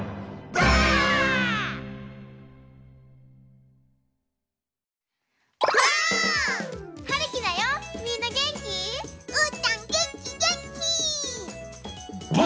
うーたんげんきげんき！